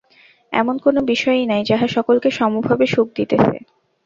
এমন কোন বিষয়ই নাই, যাহা সকলকে সমভাবে সুখ দিতেছে।